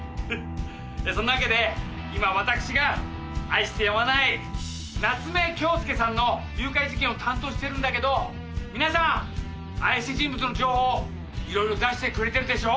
そんなわけで今私が愛してやまない夏目恭輔さんの誘拐事件を担当してるんだけど皆さん怪しい人物の情報いろいろ出してくれてるでしょ？